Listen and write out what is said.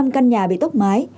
sáu mươi năm căn nhà bị tốc mái